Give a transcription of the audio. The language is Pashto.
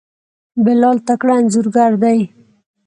بلال تکړه انځورګر دی.